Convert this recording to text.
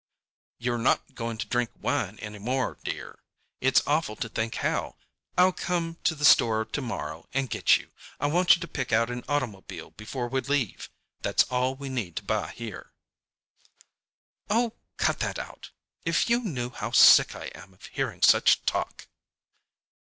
"You're not going to drink wine any more, dear. It's awful to think how— I'll come to the store to morrow and get you. I want you to pick out an automobile before we leave. That's all we need to buy here." "Oh, cut that out. If you knew how sick I am of hearing such talk."